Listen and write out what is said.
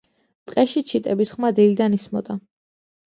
ტყეში ჩიტების ხმა დილიდან ისმოდა.